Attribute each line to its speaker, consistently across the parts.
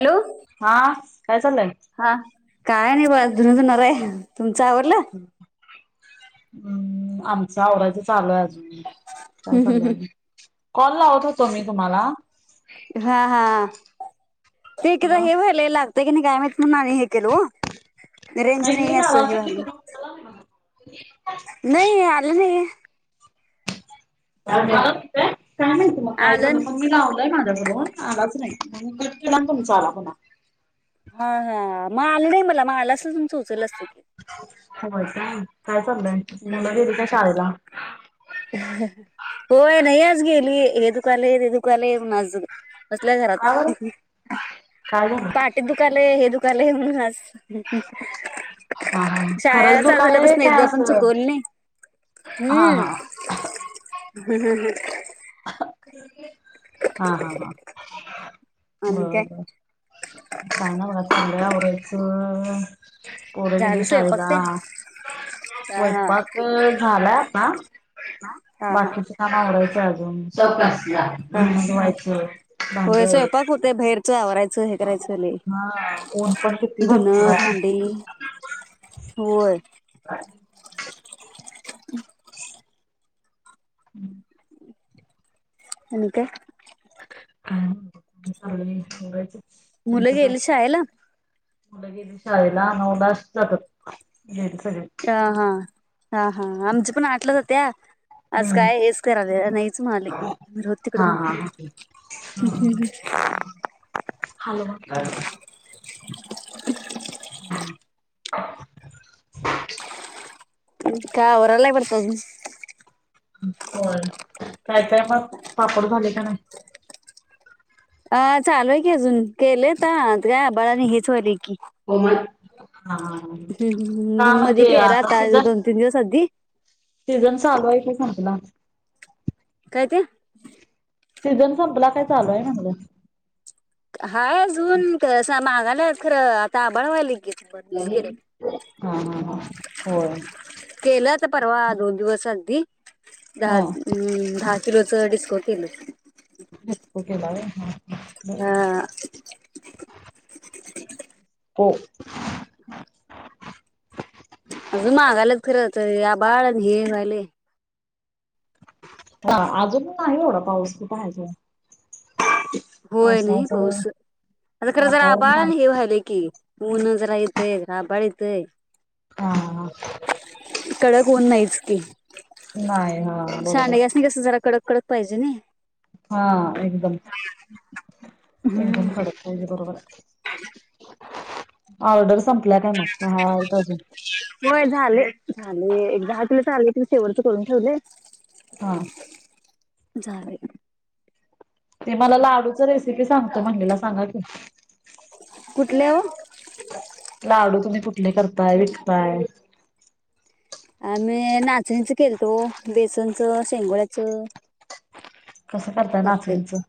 Speaker 1: अलो.
Speaker 2: हा काय चाल्लय?
Speaker 1: आ काय ना बा धुंणं धुणार हे तुमच आवरल?
Speaker 2: आमच आवरायच चालूय अजून. काय चाल्लं आणि? कॉल लावत होतो मी तुम्हाला.
Speaker 1: हा हा ते इकडं हे
Speaker 2: नाही
Speaker 1: व्हायलय. होते की नाही काय मी तुम्हाला आणि हे केल ओ. रेंज नाही
Speaker 2: मी
Speaker 1: असं हे
Speaker 2: लावालतो की
Speaker 1: व्हालय
Speaker 2: तुम्ही उचलला नाही
Speaker 1: नाही आलं नाही.
Speaker 2: य काय माहिती मग? काय
Speaker 1: आलं
Speaker 2: झालं
Speaker 1: नाही
Speaker 2: माझ्या कडून आलाच नाहीला. म्हणून कट केला आणि तुमचा आला फोन.
Speaker 1: हा हा मग आलं नाही. मला मग आलं असल तुमही उचल अस
Speaker 2: होय का काय चाललंय काय चाललंय मुलं
Speaker 1: हम्म
Speaker 2: गेली का शाळेला
Speaker 1: होय नाही आज गेली हे दुकालय ते दुकालय माझं. बसल्या
Speaker 2: का बरं
Speaker 1: घरात
Speaker 2: काय झालं
Speaker 1: पाठीत दुकालय हे दुकालय म्हणून आज
Speaker 2: हा हा खरंच
Speaker 1: शाळेला चालु
Speaker 2: दुकान आहे
Speaker 1: झाल्यापासनं
Speaker 2: काय
Speaker 1: एकदा पण
Speaker 2: असं
Speaker 1: चुकवली नाही.
Speaker 2: हा
Speaker 1: हम्म.
Speaker 2: [inaudible]
Speaker 1: [inaudible]
Speaker 2: हा हा हा
Speaker 1: आणि काय
Speaker 2: बर. काय नाय बघा चाल्लय आवरायचं पोरं गेली
Speaker 1: झालं स्वयंपाक
Speaker 2: शाळेला.
Speaker 1: तेन हा हा
Speaker 2: स्वयपाक झालाय आता
Speaker 1: हा हा
Speaker 2: बाकीच काम आवरायचं अजुन
Speaker 1: हा
Speaker 2: धुणं धुवायचं, भांडी आवराय.
Speaker 1: ते बाहेरचं आवरायचं हे करायचं चालुये
Speaker 2: हा ऊन पण किती
Speaker 1: धुन,
Speaker 2: भरपूर आहे.
Speaker 1: भांडी. होय. [inaudible]
Speaker 2: [inaudible]
Speaker 1: आणि काय? मुलं गेली शाळेला
Speaker 2: [inaudible] मुलं गलीत शाळेला नऊलाच जातात गेली सगळी.
Speaker 1: हा हा हा हा हा आमची पण आठला जात्या. आज
Speaker 2: हम्म.
Speaker 1: काय हेच कराले नाहीच म्हणाले जाऊदे
Speaker 2: हा
Speaker 1: तिकडं मग
Speaker 2: हा हा.
Speaker 1: हम्म हम्म हम्म. [unintelligible]
Speaker 2: Hello hello.
Speaker 1: [inaudible]
Speaker 2: [inaudible]
Speaker 1: काय आवरलाय वाटतं अजुन?
Speaker 2: होय काय काय मग पापड झाले का नाही?
Speaker 1: अं चालूय की अजून केलेत [inaudible] बाळानी हेच होयलय की.
Speaker 2: हो मन
Speaker 1: हम् हम्म निम
Speaker 2: म्हणजे
Speaker 1: मधिकेयला
Speaker 2: आता
Speaker 1: आताोन तन दिवस अद्धदी [inaudible]
Speaker 2: सीजन चालू आहे का संपला?
Speaker 1: काय ते?
Speaker 2: सीझन संपला काय चालूय आहेना मुल.
Speaker 1: हाय अजून कसं मागाल्यात खरं आता आभळ व्हायलय की. केले
Speaker 2: हं हं हं होय.
Speaker 1: केलं होतं परवा दोन दिवस आदी दहा
Speaker 2: हा
Speaker 1: हम दहा किलोचं डिस्को केलं.
Speaker 2: केला
Speaker 1: हा
Speaker 2: आहे हा [unintelligible] [unintelligible]
Speaker 1: अजून मागालंच फिरत या बाळ हे झाले [unintelligible]
Speaker 2: हा अजून नाही एवढा पाऊस तू पाहायचा.
Speaker 1: होय नाही पाऊस आता खरं जरा
Speaker 2: वातावरण
Speaker 1: बाळ न
Speaker 2: नाही.
Speaker 1: हे व्हालं की. ऊ न जरा येतय आभाळ येतय.
Speaker 2: ह [unintelligible]
Speaker 1: कडक ऊन नाहीच की
Speaker 2: नाही हा बरोबर
Speaker 1: शहानी जास्त हे कस जरा कडक कडत पाहिजे ने.
Speaker 2: हा एकदम. एकदम भडक पाहिजे बरोबर. ऑर्डर संपल्या काय मग हा आहेत अजून
Speaker 1: होय झाले झाले एक दहा तुला [unintelligible] चाले त शेवटच करून ठेवले.
Speaker 2: हा.
Speaker 1: झाले.
Speaker 2: ते मला लाडूच रेसिपी सांगतो म्हणलेले सांगा की.
Speaker 1: कुठल्या ओ.
Speaker 2: लाडू तुम्ही कुठले करताय विकताय.
Speaker 1: आम्ही नाचणी च केलथ ओ बेसनचं शेंगोळ्याचं.
Speaker 2: कसं करता नाचणींचं.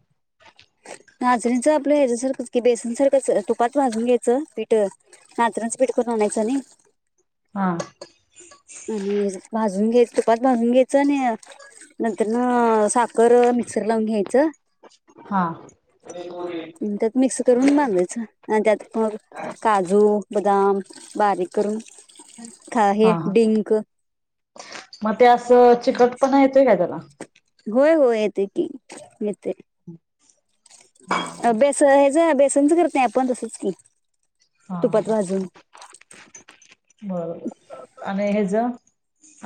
Speaker 1: नचनीच आपलं याच्या सारखच की बेसन सारखंच तुपात भाजून घ्यायचं पिठ नाचनाच पीठ करून आणयचं नाही.
Speaker 2: हा [inaudible]
Speaker 1: आणि भाजून घे तुपात भाजून घ्यायच ना. नंतर न साखर मिक्सर ला लावून घ्यायचं.
Speaker 2: हा.
Speaker 1: अन् त्यात मिक्स करून बांधायचं आणि त्यात मग काजू, बदाम, बारीक करून खा हे
Speaker 2: हा
Speaker 1: डिंक
Speaker 2: मग ते असं चिकट पना येतोय काय त्याला?
Speaker 1: घोय होय येते की येते. अभ्यास हेच जा बेसनच करत नाही आपण तसच की
Speaker 2: हा
Speaker 1: तुपात भाजून [unintelligible]
Speaker 2: अमे हेजा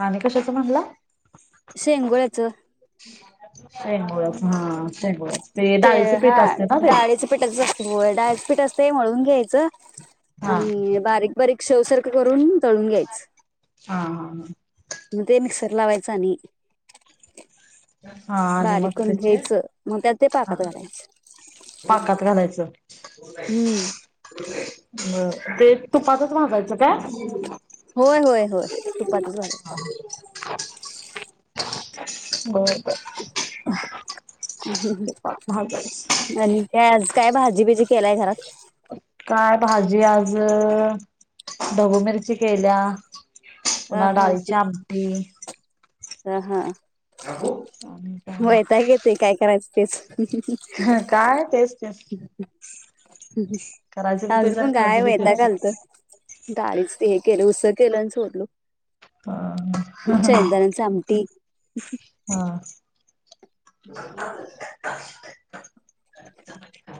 Speaker 2: आणि कशाच म्हणला.
Speaker 1: शेंगुळ्याचं
Speaker 2: शेंगूळ्याचं हा शेंगूळ्याच ते डाळीच पीठ असते ना ते
Speaker 1: पीट च असल्यामुळे डाळीचे पीट असतय मळून घ्यायचं
Speaker 2: हा
Speaker 1: आणि बारीक बारीक शेव सारख करून तळून घ्यायचं
Speaker 2: हा हा हा
Speaker 1: मग ते मिक्सर लावायचं आणि
Speaker 2: हा आणि
Speaker 1: बारीक
Speaker 2: मग
Speaker 1: करुन
Speaker 2: त्याचे
Speaker 1: घ्यायचं मग त्यात ते
Speaker 2: हा
Speaker 1: पाकात घालायचं
Speaker 2: पाकात घालायचं
Speaker 1: हम्म
Speaker 2: अ ते तुपातच भाजायचं काय?
Speaker 1: होय होय होय तुपातच भाजायचं
Speaker 2: होय
Speaker 1: [unintelligible] हम्
Speaker 2: तुपात भाजायचं
Speaker 1: आणि ते आज काय भाजी बीजी केलाय घरात?
Speaker 2: काय भाजी आज ढबू मिरची केल्या.
Speaker 1: हा
Speaker 2: पुन्हा
Speaker 1: हा
Speaker 2: डाळीची आमटी
Speaker 1: हा हा
Speaker 2: आहो [unintelligible]
Speaker 1: वैताग येतंय काय करायचं तेच
Speaker 2: काय तेच तेच करायचं बी
Speaker 1: माझं
Speaker 2: तेच आणि
Speaker 1: पण काय
Speaker 2: खायचं बी
Speaker 1: वैताग
Speaker 2: तेच
Speaker 1: आलतं डाळीचं ते हे केलं उसळ केलं आणी सोडलो
Speaker 2: हा
Speaker 1: शेंगदाण्याचं आमटी
Speaker 2: हा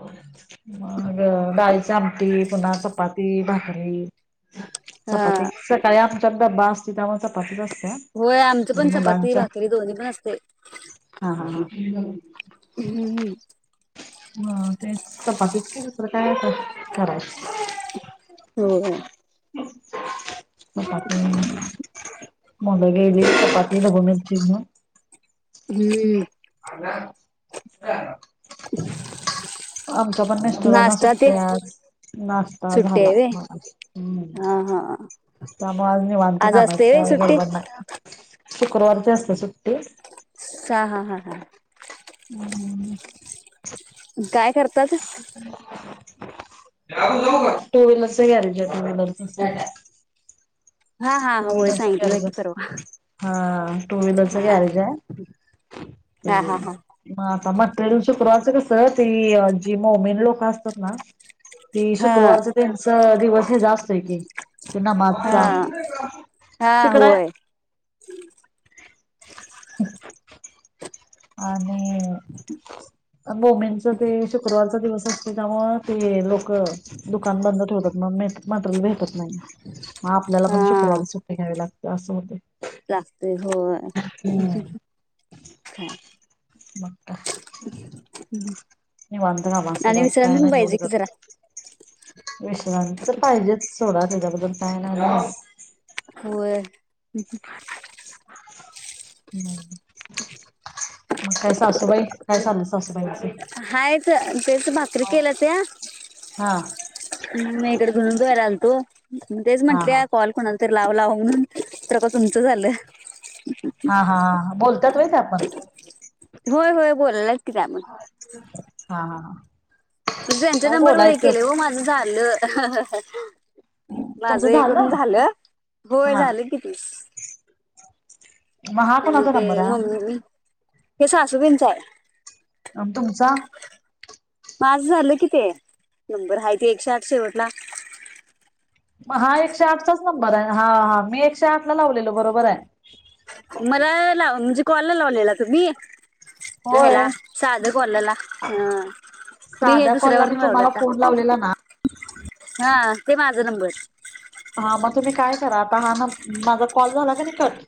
Speaker 2: [inaudible] मग डाळीची आमटी पुन्हा चपाती, भाकरी
Speaker 1: हा
Speaker 2: चपाती सकाळी आमच्यात डबा असतोय त्यामुळे चपातीच असत्या
Speaker 1: होय आमचं पण
Speaker 2: आणि
Speaker 1: चपाती
Speaker 2: मुलांच्या
Speaker 1: भाकरी दोन्ही पण असतंय
Speaker 2: हा हा ह
Speaker 1: हम्म
Speaker 2: ह तेच चपातीच केल्यात दुसरं काय आता, करायचं
Speaker 1: होय
Speaker 2: चपाती, मुलगी गेली चपाती बगुन.
Speaker 1: हम्म
Speaker 2: आला, हा
Speaker 1: [inaudible]
Speaker 2: आमच्या पण मिस्टरांना
Speaker 1: नाश्ता ते
Speaker 2: सुट्टी आज. नाश्ता
Speaker 1: सुट्टी
Speaker 2: झाला,
Speaker 1: आहे व्हय
Speaker 2: हम्म
Speaker 1: हा हा
Speaker 2: त्यामुळ आज निवांत
Speaker 1: आज
Speaker 2: कामाच
Speaker 1: असते व्हय
Speaker 2: काय
Speaker 1: सुट्टी
Speaker 2: गडबड नाय. शुक्रवारची असतीया सुट्टी.
Speaker 1: ह हा हा हा
Speaker 2: हम्म
Speaker 1: काय करतात
Speaker 2: टू व्हीलर गॅरेज हाय, टू व्हीलरचं
Speaker 1: हा हा हा होय सांगितलं
Speaker 2: गॅरेज
Speaker 1: लाइक करो.
Speaker 2: हा टू व्हीलरच गॅरेज हाय
Speaker 1: हा हा हा
Speaker 2: म आता मटेरियल शुक्रवारच कस ती जी मोमेन लोकं असतात ना. ती
Speaker 1: हा
Speaker 2: शुक्रवारच त्यांच दिवस हेजा असतोय की त्यो नमाजचा.
Speaker 1: हा हा
Speaker 2: तिकड हाय
Speaker 1: होय
Speaker 2: [inaudible] आणि मोमीनच ते शुक्रवारचा दिवसच असतो त्याच्यामुळे ते लोक दुकान बंद ठेवतात म्हणून मटेरियल भेटत नाही मग आपल्याला
Speaker 1: हा
Speaker 2: पण शुक्रवारी सुट्टी घ्यावी लागते असं होते
Speaker 1: लागते होय..
Speaker 2: हम्म.
Speaker 1: हा
Speaker 2: मग काय
Speaker 1: हम्म
Speaker 2: निवांत झाले असते [unintelligible] काय ना एवढी
Speaker 1: की
Speaker 2: कर
Speaker 1: जरा
Speaker 2: विश्रांती तर पाहिजेच सोडा त्याच्याबद्दल काय नाही
Speaker 1: होय..
Speaker 2: हम्
Speaker 1: [inaudible]
Speaker 2: मग काय सासूबाई काय चाललं सासूबाईचे?
Speaker 1: हायत तेच भाकरी केल्या त्या
Speaker 2: हा
Speaker 1: मी इकडे धुणं धुवायला आलतो मग तेच
Speaker 2: हा हा
Speaker 1: म्हंटलया कॉल कोण तर लाव लाव म्हणून तवर का तुमचं आलं.
Speaker 2: हा हा बोलत्यात होय त्या पण
Speaker 1: होय होय बोलाल्यात की त्या आणि
Speaker 2: हा हा.. हा..
Speaker 1: यांच्या
Speaker 2: काय
Speaker 1: नंबर वर
Speaker 2: बोलायचं
Speaker 1: केले हो माझं झालं. माझं करून झालं होय
Speaker 2: हा
Speaker 1: झालं तीस
Speaker 2: हा
Speaker 1: मग
Speaker 2: कोणाचा
Speaker 1: ते
Speaker 2: नंबर
Speaker 1: मम्मी
Speaker 2: आहे
Speaker 1: मी हे सासूबाईच आहे.
Speaker 2: आणि तुमचा
Speaker 1: माझं झालं कि ते नंबर आहे ते एकशे आठ शेवटला
Speaker 2: म हा एकशे आठचाच नंबर आहे हा हा मी एकशे आठ ला लावलेलो बरोबर आहे.
Speaker 1: मला लाव म्हणजे कॉलला लावलेला तुम्ही
Speaker 2: होय
Speaker 1: हेला साधं कॉलला हा मी हे
Speaker 2: साध्या कॉलला मी
Speaker 1: दुसऱ्यावरून लावलं
Speaker 2: तुम्हाला
Speaker 1: आता
Speaker 2: फोन लावलेला ना
Speaker 1: हा ते माझ नंबर
Speaker 2: हा मग तुम्ही काय करा आता हा ना माझा कॉल झाला का न कट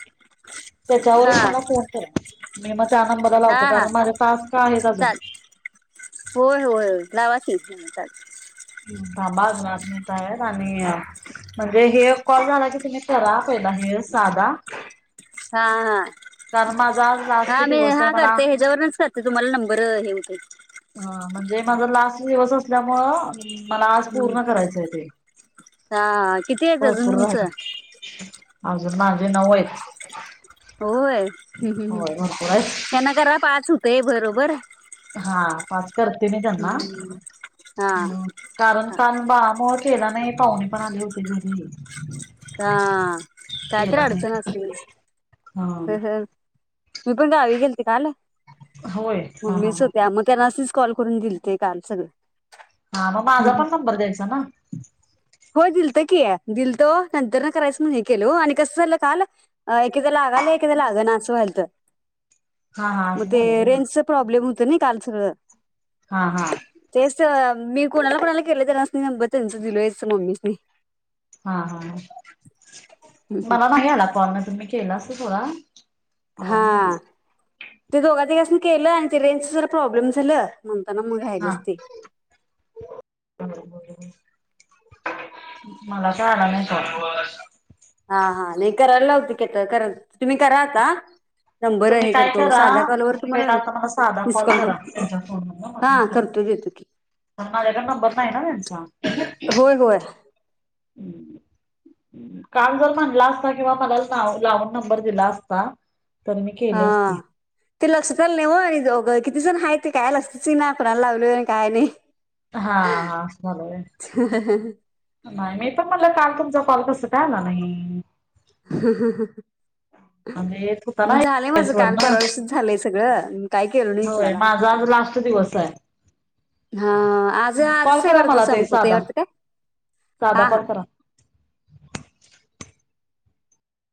Speaker 2: त्याच्यावरून
Speaker 1: हा
Speaker 2: मला फोन करा मी मग त्या नंबरला
Speaker 1: हा
Speaker 2: लावतो
Speaker 1: हा
Speaker 2: कारण माझ्या टास्क आहेत अजून
Speaker 1: चाल होय होय होय लावा की,
Speaker 2: थांबा अजून इथ आहेत आणि म्हणजे हे कॉल झाला की तुम्ही करा पहिला हे साधा.
Speaker 1: हा हा
Speaker 2: कारण माझा आज
Speaker 1: [inaudible]
Speaker 2: लास्ट
Speaker 1: हा मी
Speaker 2: दिवस आहे
Speaker 1: हा
Speaker 2: मला
Speaker 1: करते ह्याच्यावरूनच करते तुम्हाला नंबर हे हुतये.
Speaker 2: ह म्हणजे माझा लास्ट दिवस असल्यामुंळ मला आज पूर्ण करायचं आहे ते
Speaker 1: हा किती आहे अजून
Speaker 2: भरपूर राहिले
Speaker 1: तुमचं
Speaker 2: अजून माझे नऊ आहेत.
Speaker 1: होय ह्
Speaker 2: होय भरपूर आहेत
Speaker 1: त्यांना करा पाच होतय बरोबर
Speaker 2: हा पाच करते मी त्यांना
Speaker 1: हा
Speaker 2: कारण का बाळामुळं केला नाही पावणे पण आले होते घरी.
Speaker 1: हा काय तर
Speaker 2: केला
Speaker 1: अडचण
Speaker 2: नाही
Speaker 1: असली मी पण गावी गेलते काल
Speaker 2: हा होय हा हा
Speaker 1: मम्मीच
Speaker 2: हा
Speaker 1: होते आ मग त्यांना कॉल करून दिल ते काल सगळं
Speaker 2: हा मग माझा पण नंबर द्यायचा ना
Speaker 1: हो दिलतो की आहे दिलतो नंतर न करायचं म्हण हे केल आणि कसं झालं काल, अ एकेकदा लागाल एकेएदा लाग नाच व्हाल तर
Speaker 2: हा हा
Speaker 1: मग
Speaker 2: असं
Speaker 1: ते
Speaker 2: झालं होय
Speaker 1: रेंजच प्रॉब्लेम होत ना नाही काल सगळं
Speaker 2: हा हा
Speaker 1: तेच मी कोणाला कोणाला केलं त्यांनाच नंबर त्यांच दिलोयच मम्मी
Speaker 2: हा हा
Speaker 1: हम्म हम्म.
Speaker 2: मला नाही आला कॉल तुम्ही केला अस थोडा
Speaker 1: हा
Speaker 2: आला नाही मला
Speaker 1: ते दोघा तिघांनसंघासून केलं आणि ते रेंजच जरा प्रॉब्लेम झालं म्हणताना मग
Speaker 2: हा
Speaker 1: राहिलच ते
Speaker 2: मला त आला नाही काय
Speaker 1: हा हा नाही करायला लावते की आता कारण तुम्ही करा आता नंबरवर
Speaker 2: तुम्ही
Speaker 1: हे
Speaker 2: काय
Speaker 1: करतो
Speaker 2: करा
Speaker 1: साध्या कॉलवर
Speaker 2: तुम्ही
Speaker 1: तुम्हाला
Speaker 2: पहिला आता मला साधा कॉल
Speaker 1: मिसकॉल
Speaker 2: करा
Speaker 1: करतो.
Speaker 2: तुमच्या
Speaker 1: हा करतो घेतो की
Speaker 2: ह माझाकड नंबर नाय ना त्यांचा
Speaker 1: होय होय. - [inaudible]
Speaker 2: काल जर म्हणला असता किंवा मला लावून लावून नंबर दिला असता तर मी केली असती
Speaker 1: हा. ते लक्षत आलं नाय हो हे जो किती जण हाय ते काय लक्षचं येईना कोणाला लावलय नी काय नाय.
Speaker 2: हा हा असं झालं होय.
Speaker 1: ह ह ह ह
Speaker 2: नाय मी पण म्हणलं काल तुमचा कॉल कस काय आला नाही.
Speaker 1: ह ह ह
Speaker 2: म्हणजे येत होता
Speaker 1: ह
Speaker 2: ना
Speaker 1: झालंय माझ
Speaker 2: एक्सप्रेस
Speaker 1: काल
Speaker 2: वरन
Speaker 1: परवादिवशीच झालंय सगळं काय केलं नाय
Speaker 2: होय
Speaker 1: कुणाला
Speaker 2: माझा आज
Speaker 1: हा आज
Speaker 2: [unintelligible] कॉल
Speaker 1: आजच आहे
Speaker 2: करा
Speaker 1: वाटतं
Speaker 2: मला ते
Speaker 1: संपतंय
Speaker 2: साधा
Speaker 1: वाटतं काय
Speaker 2: साधा
Speaker 1: हा हा.
Speaker 2: कॉल करा